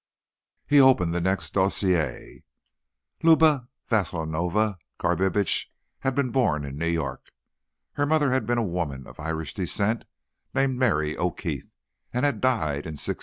He opened the next dossier. Luba Vasilovna Garbitsch had been born in New York. Her mother had been a woman of Irish descent named Mary O'Keefe, and had died in '68.